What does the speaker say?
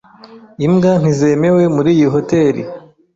Imbwa ntizemewe muri iyi hoteri .